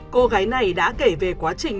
cô gái này đã kể về quá trình